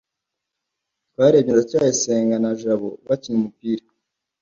twarebye ndacyayisenga na jabo bakina umupira